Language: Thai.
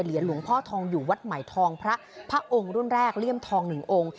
หลวงพ่อทองอยู่วัดใหม่ทองพระองค์รุ่นแรกเลี่ยมทองหนึ่งองค์